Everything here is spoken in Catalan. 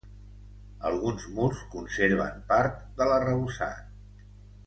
Alguns murs conserven part de l'arrebossat.